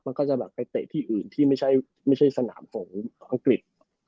มันก็จะแบบไปเตะที่อื่นที่ไม่ใช่สนามฝงของอังกฤษ